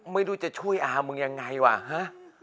ไม่รู้จะช่วยอามึงยังไงว่ะฮะ